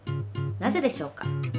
なぜでしょうか？